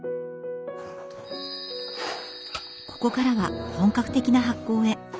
ここからは本格的な発酵へ。